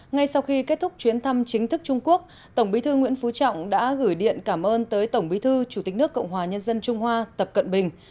ngay sau khi kết thúc chuyến thăm chính thức trung quốc tổng bí thư nguyễn phú trọng đã gửi điện cảm ơn tới tổng bí thư chủ tịch nước cộng hòa nhân dân trung hoa tập cận bình